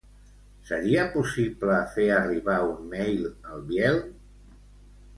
Seria possible fer arribar un mail al Biel?